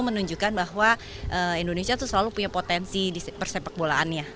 menunjukkan bahwa indonesia itu selalu punya potensi di persepak bolaannya